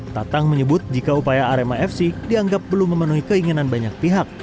tatang menyebut jika upaya arema fc dianggap belum memenuhi keinginan banyak pihak